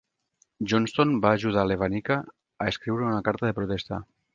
Johnston va ajudar Lewanika a escriure una carta de protesta.